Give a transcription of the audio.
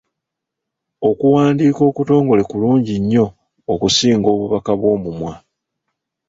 Okuwandiika okutongole kulungi nnyo okusinga obubaka bw'omumwa.